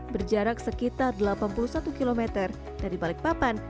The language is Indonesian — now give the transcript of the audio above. berjarak sekitar delapan puluh satu km dari balikpapan